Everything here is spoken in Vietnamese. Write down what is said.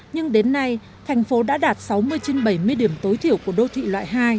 nhưng đến nay thành phố đã đạt sáu mươi trên bảy mươi điểm tối thiểu của đô thị loại hai